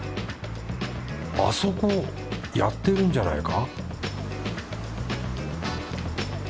あそこやってるんじゃないか？